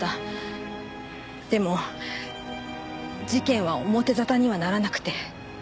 でも事件は表沙汰にはならなくて。